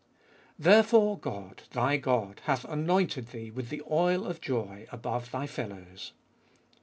Therefore God, Thy God, hath anointed Thee with the oil of joy above Thy fellows.